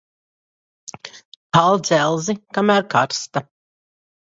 Kal dzelzi, kamēr karsta.